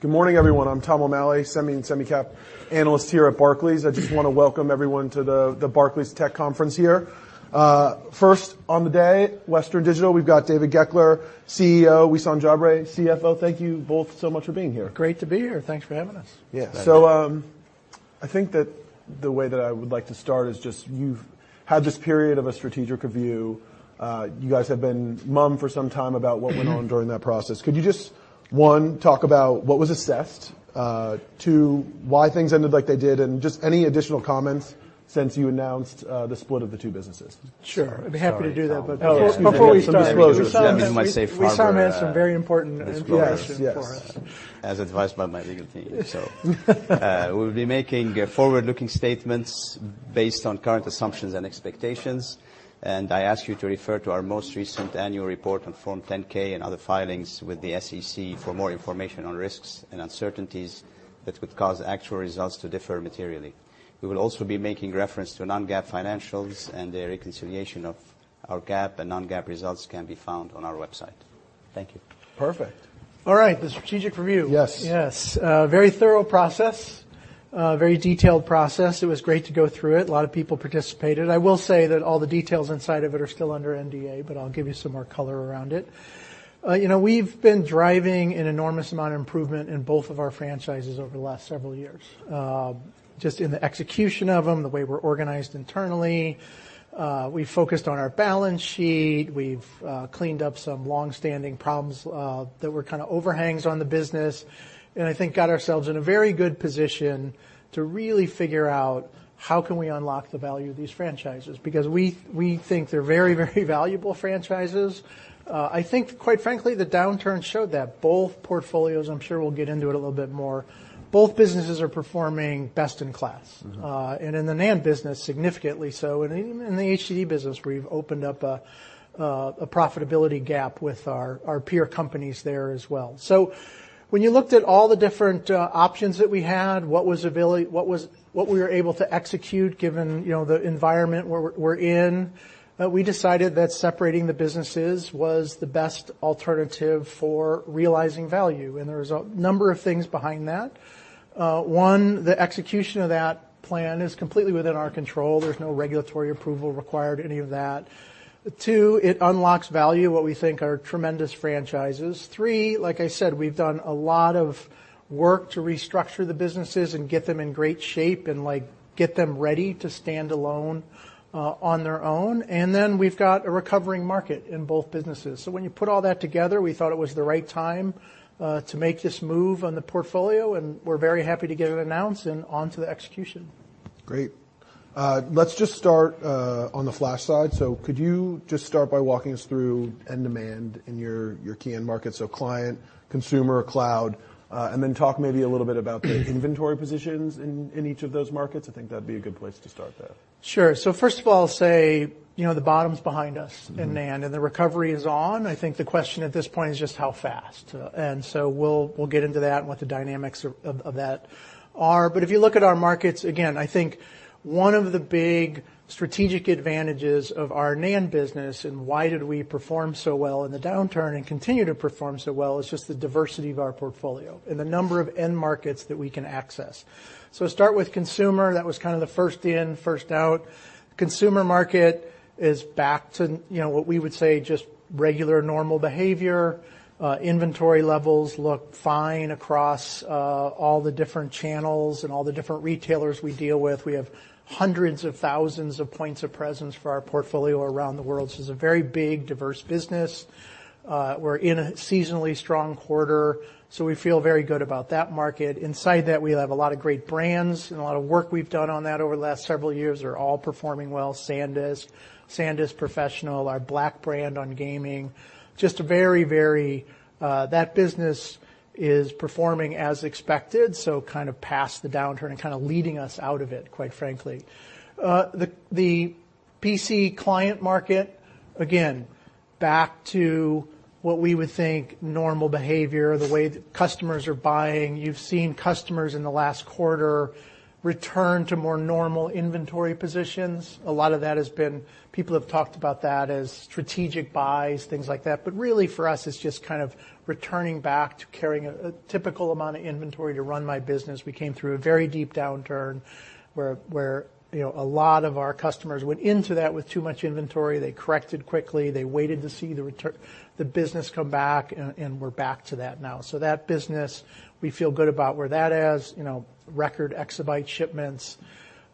Good morning, everyone. I'm Tom O'Malley, Semi and Semi-Cap Analyst here at Barclays. I just want to welcome everyone to the Barclays Tech Conference here. First, on the day, Western Digital. We've got David Goeckeler, CEO, Wissam Jabre, CFO. Thank you both so much for being here. Great to be here. Thanks for having us. Yeah. So, I think that the way that I would like to start is just you've had this period of a strategic review. You guys have been mum for some time about what went on during that process. Could you just, one, talk about what was assessed? Two, why things ended like they did, and just any additional comments since you announced the split of the two businesses? Sure. Sorry. I'd be happy to do that, but- Yes. Before we start- Disclosure, I might say- Wissam has some very important- Disclosure Information for us. As advised by my legal team, we'll be making forward-looking statements based on current assumptions and expectations, and I ask you to refer to our most recent annual report on Form 10-K and other filings with the SEC for more information on risks and uncertainties that could cause actual results to differ materially. We will also be making reference to non-GAAP financials, and the reconciliation of our GAAP and non-GAAP results can be found on our website. Thank you. Perfect. All right, the strategic review. Yes. Yes. Very thorough process, a very detailed process. It was great to go through it. A lot of people participated. I will say that all the details inside of it are still under NDA, but I'll give you some more color around it. You know, we've been driving an enormous amount of improvement in both of our franchises over the last several years, just in the execution of them, the way we're organized internally. We focused on our balance sheet. We've cleaned up some long-standing problems that were kind of overhangs on the business, and I think got ourselves in a very good position to really figure out how can we unlock the value of these franchises? Because we think they're very, very valuable franchises. I think, quite frankly, the downturn showed that both portfolios. I'm sure we'll get into it a little bit more. Both businesses are performing best-in-class. In the NAND business, significantly so, and even in the HDD business, where we've opened up a profitability gap with our peer companies there as well. So when you looked at all the different options that we had, what we were able to execute, given, you know, the environment we're in, we decided that separating the businesses was the best alternative for realizing value, and there's a number of things behind that. One, the execution of that plan is completely within our control. There's no regulatory approval required, any of that. Two, it unlocks value, what we think are tremendous franchises. Three, like I said, we've done a lot of work to restructure the businesses and get them in great shape and, like, get them ready to stand alone, on their own. And then we've got a recovering market in both businesses. So when you put all that together, we thought it was the right time to make this move on the portfolio, and we're very happy to give an announcement, and on to the execution. Great. Let's just start on the flash side. So could you just start by walking us through end demand in your key end markets, so client, consumer, cloud? And then talk maybe a little bit about the inventory positions in each of those markets. I think that'd be a good place to start. Sure. So first of all, I'll say, you know, the bottom's behind us in NAND, and the recovery is on. I think the question at this point is just how fast. And so we'll get into that and what the dynamics of that are. But if you look at our markets, again, I think one of the big strategic advantages of our NAND business and why did we perform so well in the downturn and continue to perform so well, is just the diversity of our portfolio and the number of end markets that we can access. So start with consumer. That was kind of the first in, first out. Consumer market is back to, you know, what we would say, just regular normal behavior. Inventory levels look fine across all the different channels and all the different retailers we deal with. We have hundreds of thousands of points of presence for our portfolio around the world, so it's a very big, diverse business. We're in a seasonally strong quarter, so we feel very good about that market. Inside that, we have a lot of great brands and a lot of work we've done on that over the last several years are all performing well. SanDisk, SanDisk Professional, our Black brand on gaming, just a very, very. That business is performing as expected, so kind of past the downturn and kind of leading us out of it, quite frankly. The PC client market, again, back to what we would think normal behavior, the way that customers are buying. You've seen customers in the last quarter return to more normal inventory positions. A lot of that has been, people have talked about that as strategic buys, things like that. But really, for us, it's just kind of returning back to carrying a typical amount of inventory to run my business. We came through a very deep downturn where, you know, a lot of our customers went into that with too much inventory. They corrected quickly. They waited to see the return, the business come back, and we're back to that now. So that business, we feel good about where that is. You know, record Exabyte shipments.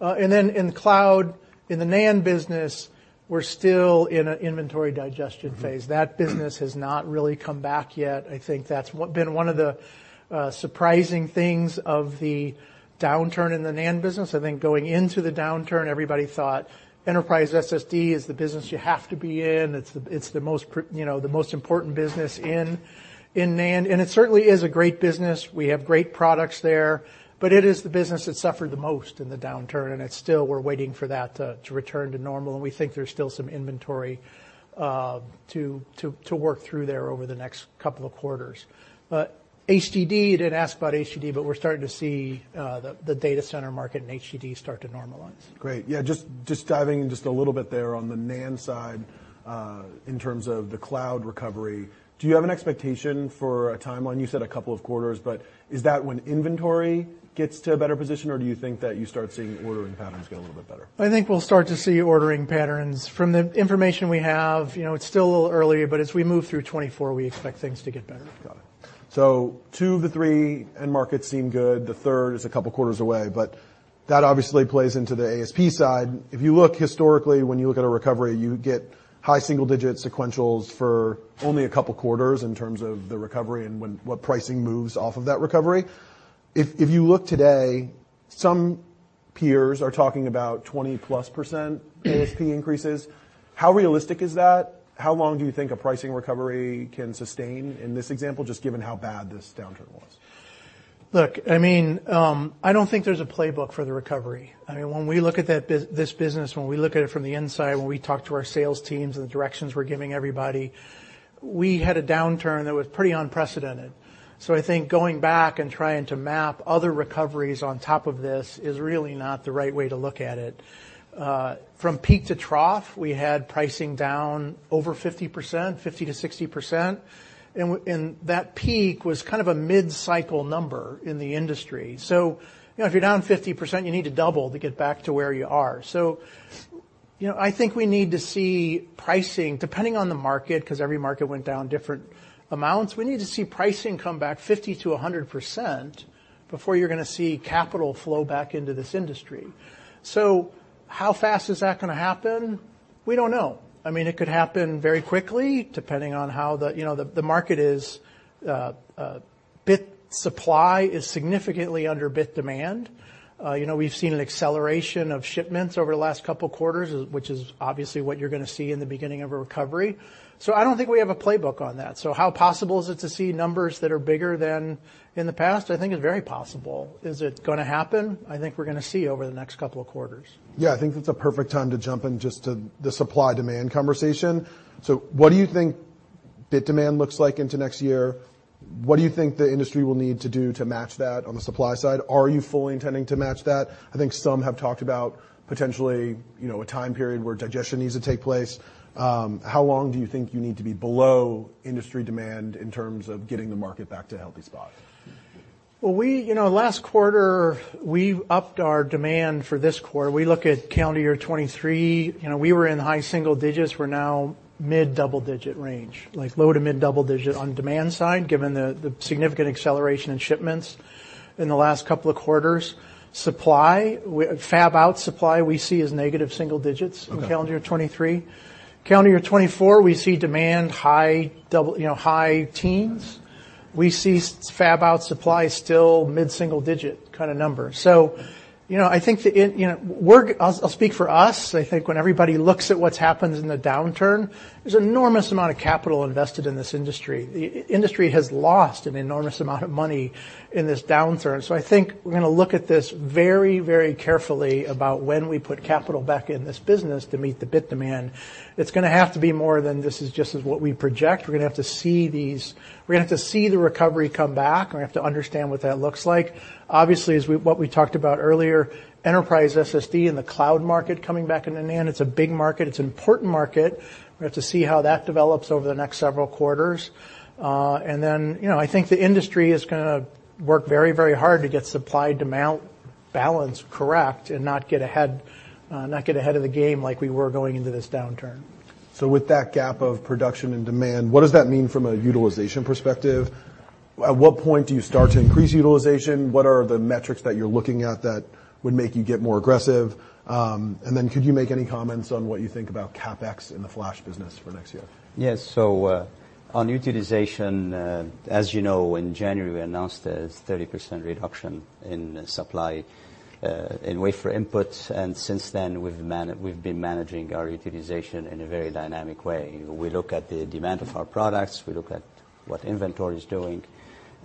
And then in the cloud, in the NAND business, we're still in an inventory digestion phase. That business has not really come back yet. I think that's what's been one of the surprising things of the downturn in the NAND business. I think going into the downturn, everybody thought enterprise SSD is the business you have to be in. It's the, it's the most you know, the most important business in NAND, and it certainly is a great business. We have great products there, but it is the business that suffered the most in the downturn, and it's still... We're waiting for that to return to normal, and we think there's still some inventory to work through there over the next couple of quarters. HDD, you didn't ask about HDD, but we're starting to see the data center market in HDD start to normalize. Great. Yeah, just, just diving in just a little bit there on the NAND side, in terms of the cloud recovery, do you have an expectation for a timeline? You said a couple of quarters, but is that when inventory gets to a better position, or do you think that you start seeing ordering patterns get a little bit better? I think we'll start to see ordering patterns. From the information we have, you know, it's still a little early, but as we move through 2024, we expect things to get better. Got it. So two of the three end markets seem good. The third is a couple of quarters away, but that obviously plays into the ASP side. If you look historically, when you look at a recovery, you get high single-digit sequentials for only a couple quarters in terms of the recovery and when- what pricing moves off of that recovery. If, if you look today, some peers are talking about 20%+ ASP increases. How realistic is that? How long do you think a pricing recovery can sustain in this example, just given how bad this downturn was? Look, I mean, I don't think there's a playbook for the recovery. I mean, when we look at that this business, when we look at it from the inside, when we talk to our sales teams and the directions we're giving everybody, we had a downturn that was pretty unprecedented. So I think going back and trying to map other recoveries on top of this is really not the right way to look at it. From peak to trough, we had pricing down over 50%, 50%-60%, and that peak was kind of a mid-cycle number in the industry. So, you know, if you're down 50%, you need to double to get back to where you are. So, you know, I think we need to see pricing, depending on the market, 'cause every market went down different amounts. We need to see pricing come back 50%-100% before you're gonna see capital flow back into this industry. So how fast is that gonna happen? We don't know. I mean, it could happen very quickly, depending on how the, you know, the market is. Bit supply is significantly under bit demand. You know, we've seen an acceleration of shipments over the last couple of quarters, which is obviously what you're gonna see in the beginning of a recovery. So I don't think we have a playbook on that. So how possible is it to see numbers that are bigger than in the past? I think it's very possible. Is it gonna happen? I think we're gonna see over the next couple of quarters. Yeah, I think it's a perfect time to jump in just to the supply-demand conversation. So what do you think bit demand looks like into next year? What do you think the industry will need to do to match that on the supply side? Are you fully intending to match that? I think some have talked about potentially, you know, a time period where digestion needs to take place. How long do you think you need to be below industry demand in terms of getting the market back to a healthy spot? Well, we, you know, last quarter, we've upped our demand for this quarter. We look at calendar year 2023, you know, we were in high single digits, we're now mid-double-digit range, like, low to mid-double digit on demand side, given the significant acceleration in shipments in the last couple of quarters. Supply, fab-out supply, we see as negative single digits- Okay. In calendar year 2023. Calendar year 2024, we see demand high double, you know, high teens. We see fab-out supply still mid-single digit kind of number. So, you know, I think, you know, I'll speak for us. I think when everybody looks at what's happened in the downturn, there's an enormous amount of capital invested in this industry. The industry has lost an enormous amount of money in this downturn, so I think we're gonna look at this very, very carefully about when we put capital back in this business to meet the bit demand. It's gonna have to be more than, "This is just as what we project." We're gonna have to see these, we're gonna have to see the recovery come back, and we have to understand what that looks like. Obviously, as we, what we talked about earlier, enterprise SSD and the cloud market coming back into NAND. It's a big market. It's an important market. We have to see how that develops over the next several quarters. And then, you know, I think the industry is gonna work very, very hard to get supply, demand balance correct and not get ahead, not get ahead of the game like we were going into this downturn. So with that gap of production and demand, what does that mean from a utilization perspective? At what point do you start to increase utilization? What are the metrics that you're looking at that would make you get more aggressive? And then, could you make any comments on what you think about CapEx in the flash business for next year? Yes. So, on utilization, as you know, in January, we announced a 30% reduction in supply, in wafer inputs, and since then, we've been managing our utilization in a very dynamic way. We look at the demand of our products, we look at what inventory is doing,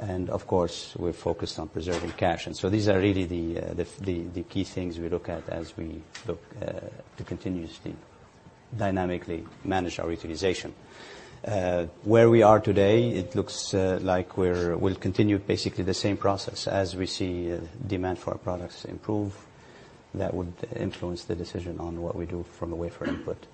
and of course, we're focused on preserving cash. And so these are really the key things we look at as we look to continuously, dynamically manage our utilization. Where we are today, it looks like we'll continue basically the same process. As we see demand for our products improve, that would influence the decision on what we do from a wafer input.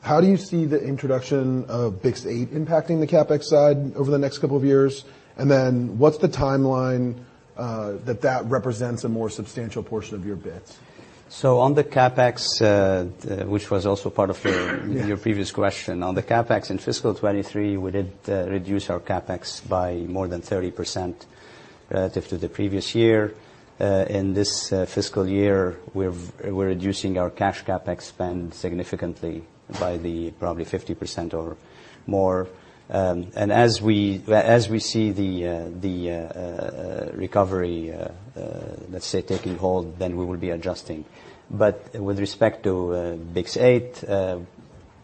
How do you see the introduction of BiCS8 impacting the CapEx side over the next couple of years? And then, what's the timeline, that represents a more substantial portion of your bits? So on the CapEx, which was also part of your previous question, on the CapEx in fiscal 2023, we did reduce our CapEx by more than 30% relative to the previous year. In this fiscal year, we're reducing our cash CapEx spend significantly by probably 50% or more. And as we see the recovery, let's say, taking hold, then we will be adjusting. But with respect to BiCS8,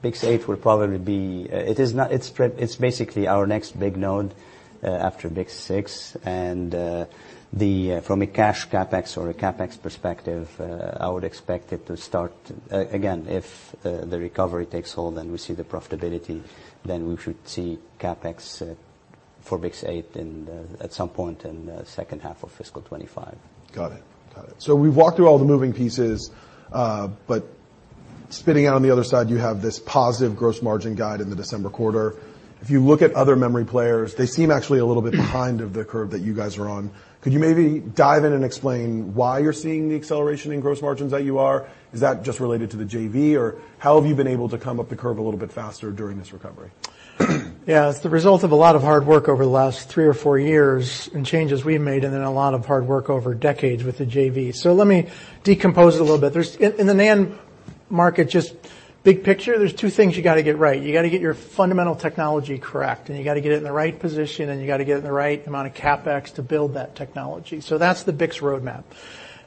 BiCS8 will probably be... It is not, it's pre- it's basically our next big node after BiCS6, and from a cash CapEx or a CapEx perspective, I would expect it to start. Again, if the recovery takes hold and we see the profitability, then we should see CapEx for BiCS8 at some point in the H2 of fiscal 2025. Got it. Got it. So we've walked through all the moving pieces, spinning out on the other side, you have this positive gross margin guide in the December quarter. If you look at other memory players, they seem actually a little bit behind of the curve that you guys are on. Could you maybe dive in and explain why you're seeing the acceleration in gross margins that you are? Is that just related to the JV, or how have you been able to come up the curve a little bit faster during this recovery? Yeah, it's the result of a lot of hard work over the last three or four years, and changes we've made, and then a lot of hard work over decades with the JV. So let me decompose it a little bit. In the NAND market, just big picture, there's two things you gotta get right. You gotta get your fundamental technology correct, and you gotta get it in the right position, and you gotta get it in the right amount of CapEx to build that technology. So that's the BiCS roadmap,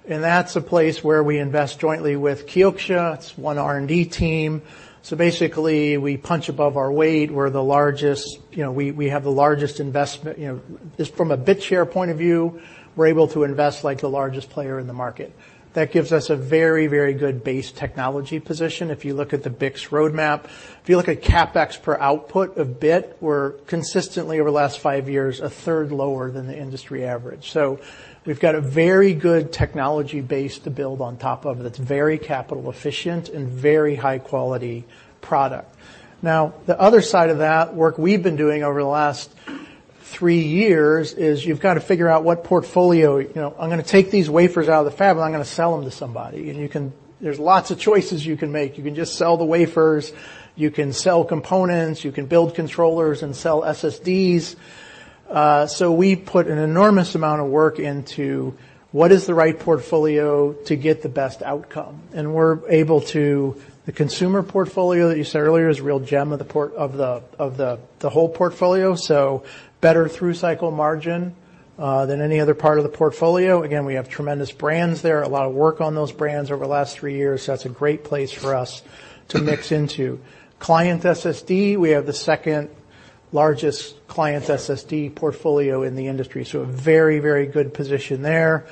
and that's a place where we invest jointly with Kioxia. It's one R&D team. So basically, we punch above our weight. We're the largest. You know, we have the largest investment. You know, just from a bit share point of view, we're able to invest like the largest player in the market. That gives us a very, very good base technology position if you look at the BiCS roadmap. If you look at CapEx per output of bit, we're consistently, over the last five years, a third lower than the industry average. So we've got a very good technology base to build on top of that's very capital efficient and very high-quality product. Now, the other side of that work we've been doing over the last three years is you've got to figure out what portfolio. You know, I'm gonna take these wafers out of the fab, and I'm gonna sell them to somebody, and you can. There's lots of choices you can make. You can just sell the wafers, you can sell components, you can build controllers and sell SSDs. So we put an enormous amount of work into what is the right portfolio to get the best outcome, and we're able to... The consumer portfolio that you said earlier is a real gem of the portfolio, so better through-cycle margin than any other part of the portfolio. Again, we have tremendous brands there, a lot of work on those brands over the last three years. So that's a great place for us to mix into. Client SSD, we have the second-largest client SSD portfolio in the industry, so a very, very good position there.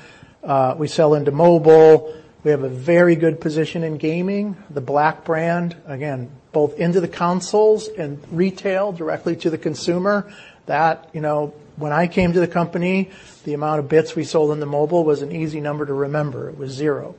We sell into mobile. We have a very good position in gaming. The WD Black brand, again, both into the consoles and retail, directly to the consumer. That, you know, when I came to the company, the amount of bits we sold into mobile was an easy number to remember. It was zero,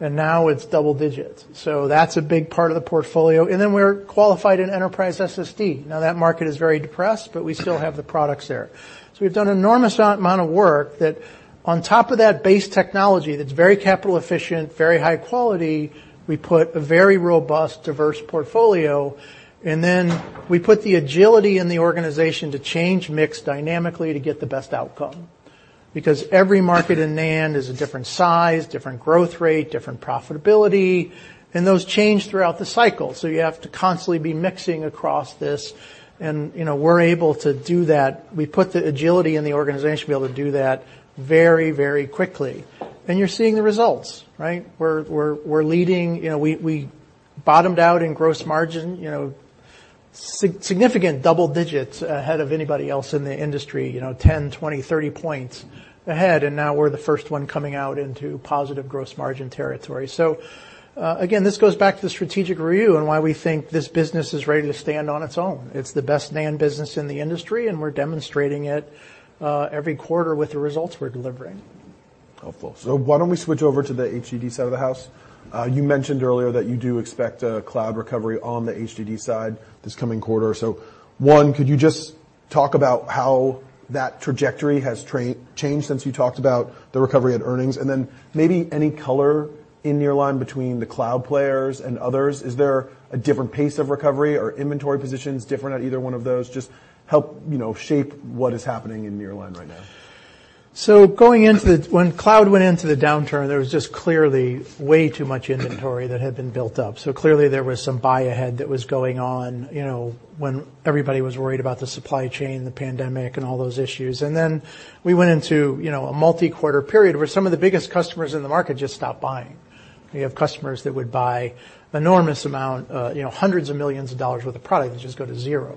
and now it's double digits, so that's a big part of the portfolio. And then we're qualified in enterprise SSD. Now, that market is very depressed, but we still have the products there. So we've done an enormous amount of work that, on top of that base technology that's very capital efficient, very high quality, we put a very robust, diverse portfolio, and then we put the agility in the organization to change mix dynamically to get the best outcome. Because every market in NAND is a different size, different growth rate, different profitability, and those change throughout the cycle, so you have to constantly be mixing across this. And, you know, we're able to do that. We put the agility in the organization to be able to do that very, very quickly, and you're seeing the results, right? We're leading... You know, we bottomed out in gross margin, you know, significant double digits ahead of anybody else in the industry, you know, 10, 20, 30 points ahead, and now we're the first one coming out into positive gross margin territory. So, again, this goes back to the strategic review and why we think this business is ready to stand on its own. It's the best NAND business in the industry, and we're demonstrating it every quarter with the results we're delivering. Helpful. So why don't we switch over to the HDD side of the house? You mentioned earlier that you do expect a cloud recovery on the HDD side this coming quarter. So one, could you just talk about how that trajectory has changed since you talked about the recovery at earnings? And then maybe any color in nearline between the cloud players and others. Is there a different pace of recovery? Are inventory positions different at either one of those? Just help, you know, shape what is happening in nearline right now. So, when cloud went into the downturn, there was just clearly way too much inventory that had been built up, so clearly there was some buy-ahead that was going on, you know, when everybody was worried about the supply chain, the pandemic, and all those issues. And then we went into, you know, a multi-quarter period where some of the biggest customers in the market just stopped buying. We have customers that would buy enormous amounts, you know, $hundreds of millions worth of product just go to zero.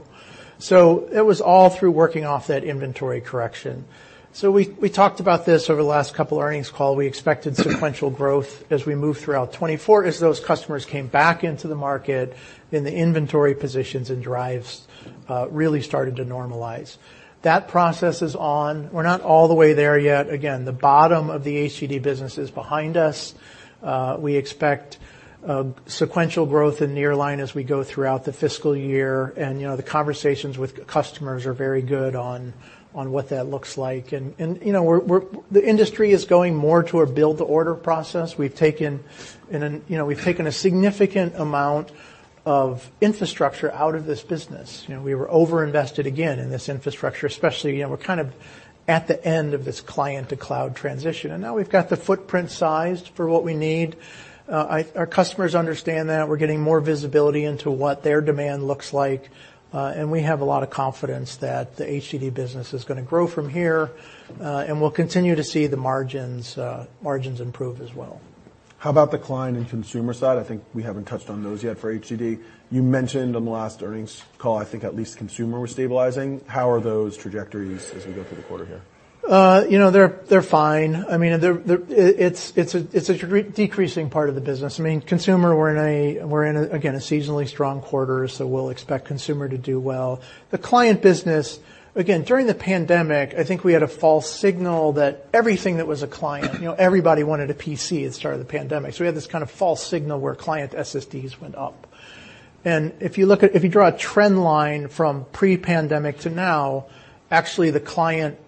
So it was all through working off that inventory correction. So we talked about this over the last couple of earnings calls. We expected sequential growth as we moved throughout 2024 as those customers came back into the market, and the inventory positions and drives really started to normalize. That process is on. We're not all the way there yet. Again, the bottom of the HDD business is behind us. We expect sequential growth in Nearline as we go throughout the fiscal year, and, you know, the conversations with customers are very good on what that looks like. And, you know, the industry is going more to a build-to-order process. You know, we've taken a significant amount of infrastructure out of this business. You know, we were overinvested again in this infrastructure, especially, you know, we're kind of at the end of this client-to-cloud transition, and now we've got the footprint sized for what we need. Our customers understand that. We're getting more visibility into what their demand looks like, and we have a lot of confidence that the HDD business is gonna grow from here, and we'll continue to see the margins improve as well. How about the client and consumer side? I think we haven't touched on those yet for HDD. You mentioned on the last earnings call, I think at least consumer was stabilizing. How are those trajectories as we go through the quarter here? You know, they're fine. I mean, they're... It's a decreasing part of the business. I mean, consumer, we're in, again, a seasonally strong quarter, so we'll expect consumer to do well. The client business... Again, during the pandemic, I think we had a false signal that everything that was a client, you know, everybody wanted a PC at the start of the pandemic. So we had this kind of false signal where client SSDs went up.... And if you draw a trend line from pre-pandemic to now, actually, the client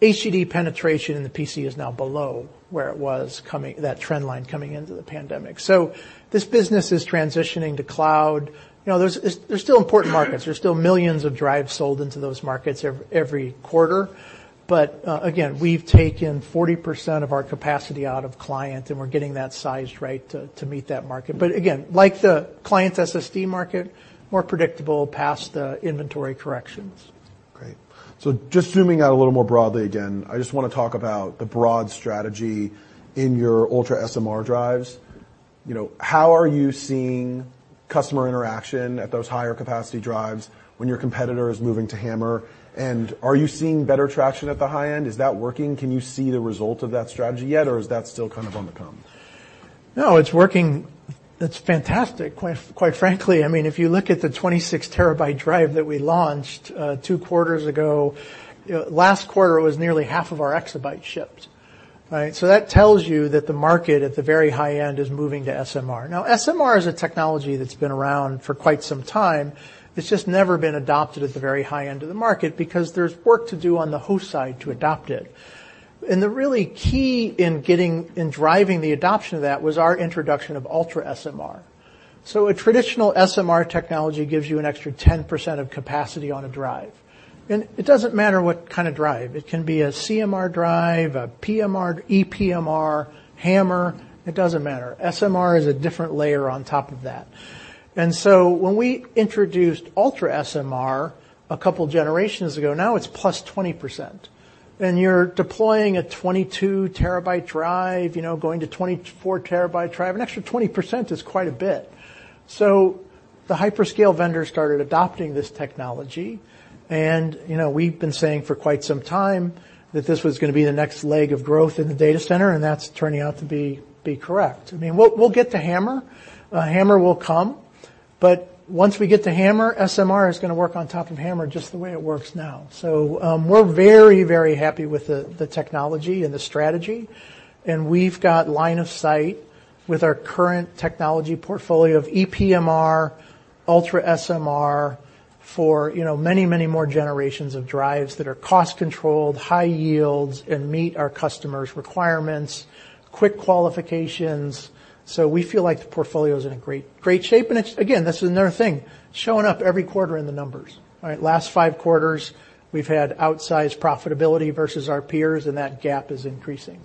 HDD penetration in the PC is now below where it was coming, that trend line coming into the pandemic. So this business is transitioning to cloud. You know, there's still important markets. There's still millions of drives sold into those markets every quarter, but again, we've taken 40% of our capacity out of client, and we're getting that sized right to meet that market. But again, like the client SSD market, more predictable past the inventory corrections. Great. So just zooming out a little more broadly, again, I just wanna talk about the broad strategy in your UltraSMR drives. You know, how are you seeing customer interaction at those higher capacity drives when your competitor is moving to HAMR, and are you seeing better traction at the high end? Is that working? Can you see the result of that strategy yet, or is that still kind of on the come? No, it's working. It's fantastic, quite, quite frankly. I mean, if you look at the 26-terabyte drive that we launched two quarters ago, you know, last quarter, it was nearly half of our exabyte shipped, right? So that tells you that the market at the very high end is moving to SMR. Now, SMR is a technology that's been around for quite some time. It's just never been adopted at the very high end of the market because there's work to do on the host side to adopt it. And the really key in driving the adoption of that was our introduction of UltraSMR. So a traditional SMR technology gives you an extra 10% of capacity on a drive, and it doesn't matter what kind of drive. It can be a CMR drive, a PMR, ePMR, HAMR, it doesn't matter. SMR is a different layer on top of that. So when we introduced UltraSMR a couple generations ago, now it's +20%, and you're deploying a 22 TB drive, you know, going to 24 TB drive. An extra 20% is quite a bit. So the hyperscale vendors started adopting this technology, and, you know, we've been saying for quite some time that this was gonna be the next leg of growth in the data center, and that's turning out to be correct. I mean, we'll get to HAMR. HAMR will come, but once we get to HAMR, SMR is gonna work on top of HAMR just the way it works now. So, we're very, very happy with the technology and the strategy, and we've got line of sight with our current technology portfolio of ePMR, UltraSMR, for, you know, many, many more generations of drives that are cost-controlled, high yields, and meet our customers' requirements, quick qualifications. So we feel like the portfolio is in a great, great shape, and it's again, that's another thing, showing up every quarter in the numbers, right? Last five quarters, we've had outsized profitability versus our peers, and that gap is increasing.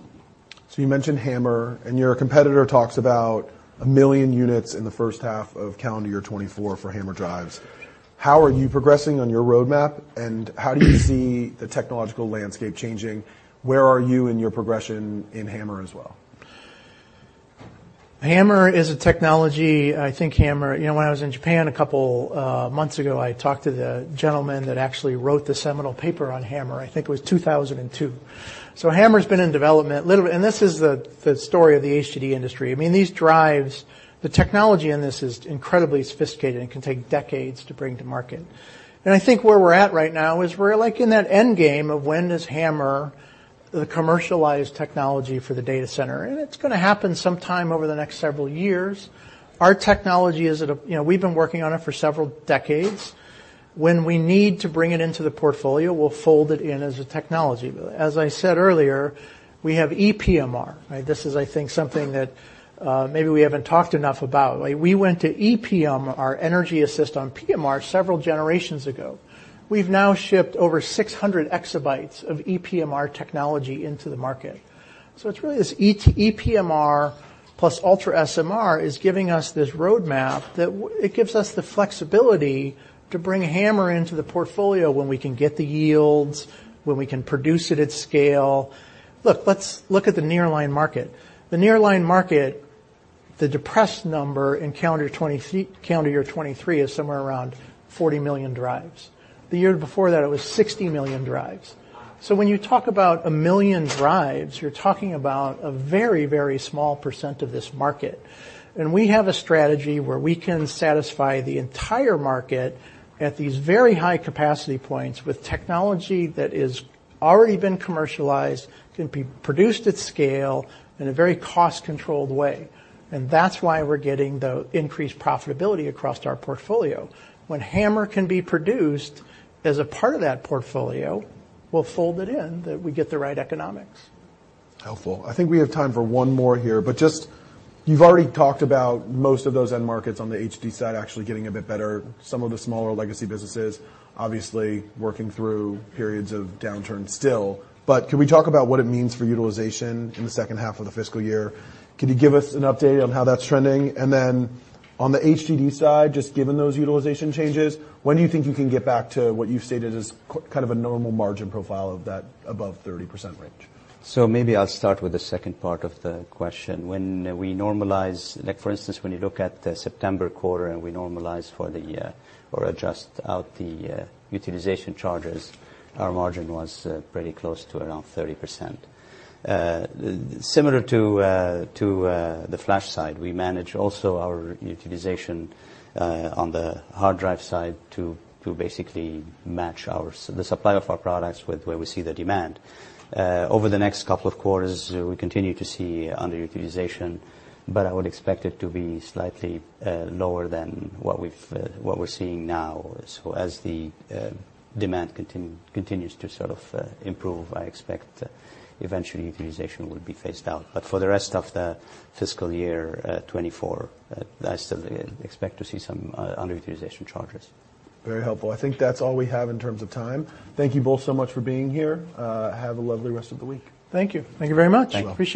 So you mentioned HAMR, and your competitor talks about 1 million units in the H1 of calendar year 2024 for HAMR drives. How are you progressing on your roadmap, and how do you see the technological landscape changing? Where are you in your progression in HAMR as well? HAMR is a technology. I think HAMR... You know, when I was in Japan a couple months ago, I talked to the gentleman that actually wrote the seminal paper on HAMR. I think it was 2002. So HAMR's been in development little bit, and this is the story of the HDD industry. I mean, these drives, the technology in this is incredibly sophisticated and can take decades to bring to market. And I think where we're at right now is we're, like, in that end game of when does HAMR, the commercialized technology for the data center, and it's gonna happen sometime over the next several years. Our technology is at a... You know, we've been working on it for several decades. When we need to bring it into the portfolio, we'll fold it in as a technology. But as I said earlier, we have ePMR, right? This is, I think, something that maybe we haven't talked enough about. We went to ePMR, Energy Assist on PMR, several generations ago. We've now shipped over 600 exabytes of ePMR technology into the market. So it's really this ePMR plus UltraSMR is giving us this roadmap that it gives us the flexibility to bring HAMR into the portfolio when we can get the yields, when we can produce it at scale. Look, let's look at the nearline market. The nearline market, the depressed number in calendar 2023, calendar year 2023, is somewhere around 40 million drives. The year before that, it was 60 million drives. So when you talk about 1 million drives, you're talking about a very, very small percent of this market. We have a strategy where we can satisfy the entire market at these very high capacity points with technology that is already been commercialized, can be produced at scale in a very cost-controlled way, and that's why we're getting the increased profitability across our portfolio. When HAMR can be produced as a part of that portfolio, we'll fold it in, that we get the right economics. Helpful. I think we have time for one more here, but just... You've already talked about most of those end markets on the HDD side, actually getting a bit better. Some of the smaller legacy businesses, obviously, working through periods of downturn still. But can we talk about what it means for utilization in the H2 of the fiscal year? Can you give us an update on how that's trending? And then on the HDD side, just given those utilization changes, when do you think you can get back to what you've stated as q- kind of a normal margin profile of that above 30% range? So maybe I'll start with the second part of the question. When we normalize... Like, for instance, when you look at the September quarter and we normalize for the or adjust out the utilization charges, our margin was pretty close to around 30%. Similar to the flash side, we manage also our utilization on the hard drive side to basically match our the supply of our products with where we see the demand. Over the next couple of quarters, we continue to see underutilization, but I would expect it to be slightly lower than what we're seeing now. So as the demand continues to sort of improve, I expect eventually utilization will be phased out. But for the rest of the fiscal year 2024, I still expect to see some underutilization charges. Very helpful. I think that's all we have in terms of time. Thank you both so much for being here. Have a lovely rest of the week. Thank you. Thank you very much. Thank you. Appreciate it.